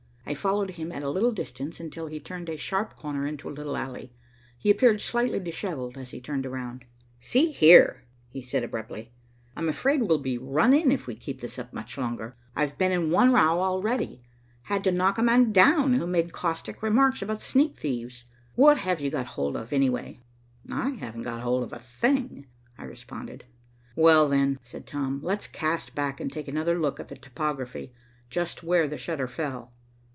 I followed him at a little distance until he turned a sharp corner into a little alley. He appeared slightly dishevelled as he turned around. "See here," he said abruptly, "I'm afraid we'll be run in if we keep this up much longer. I've been in one row already. Had to knock a man down who made caustic remarks about sneak thieves. What have you got hold of, anyway?" "Haven't got hold of a thing," I responded. "Well, then," said Tom, "let's cast back and take another look at the topography, just where the shutter fell."